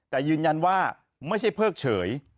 แต่ยืนยันว่าไม่ใช่เพิกเฉย